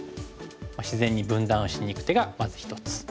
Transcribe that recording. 自然に分断しにいく手がまず一つ。